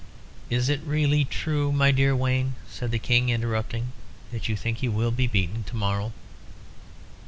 "Is it really true, my dear Wayne," said the King, interrupting, "that you think you will be beaten to morrow?"